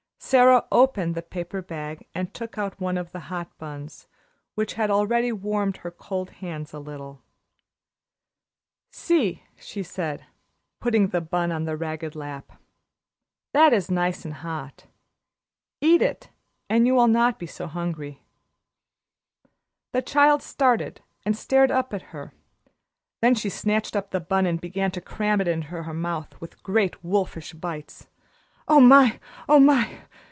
Sara opened the paper bag and took out one of the hot buns, which had already warmed her cold hands a little. "See," she said, putting the bun on the ragged lap, "that is nice and hot. Eat it, and you will not be so hungry." The child started and stared up at her; then she snatched up the bun and began to cram it into her mouth with great wolfish bites. "Oh, my! Oh, my!"